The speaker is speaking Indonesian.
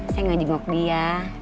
saya nggak jenguk dia